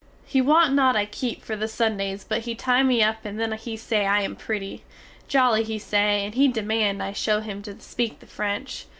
He want not I keep for the Sundays but he tie me up and then he say I am pretty jolly he say, and he demand I show him to speak the French.